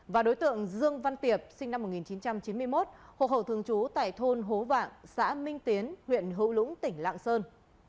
và đối tượng dương văn tiệp sinh năm một nghìn chín trăm chín mươi một hộ khẩu thường trú tại thôn hố vạng xã minh tiến huyện hữu lũng tỉnh lạng sơn